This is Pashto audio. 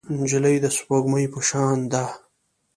نجلۍ د سپوږمۍ په شان ده.